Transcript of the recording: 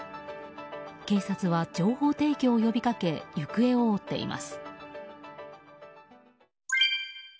警察は情報提供を呼びかけ行方を追っています。